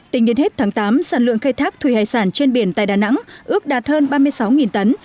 tính đến hết tháng tám sản lượng khai thác thủy hải sản trên biển tại đà nẵng ước đạt hơn ba mươi sáu tấn